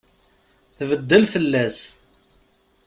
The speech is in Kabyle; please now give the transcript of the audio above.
Tbeddel fell-as.